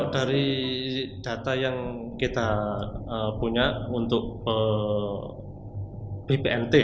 dari data yang kita punya untuk bpnt